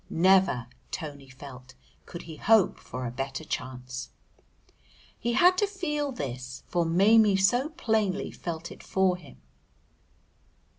Never, Tony felt, could he hope for a better chance. He had to feel this, for Maimie so plainly felt it for him.